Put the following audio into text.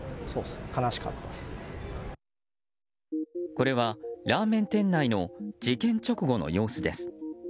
これは、ラーメン店内の事件直後の様子です。